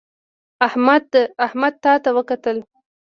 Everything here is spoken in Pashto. احمد تا ته وکتل